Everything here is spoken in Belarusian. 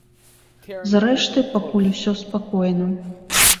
Зрэшты, пакуль усё спакойна.